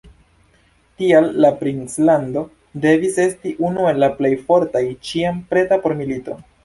Tial la princlando devis esti unu el la plej fortaj, ĉiam preta por milito.